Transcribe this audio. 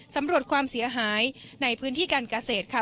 สำรวจความเสียหายในพื้นที่การเกษตรค่ะ